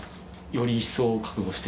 より一層覚悟して？